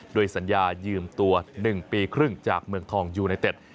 โดยสัญญายืมตัว๑ปีครึ่งจากเมืองทองยูไนเต็ด